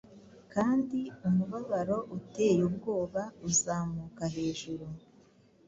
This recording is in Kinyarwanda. Kandi umubabaro uteye ubwoba uzamuka hejuru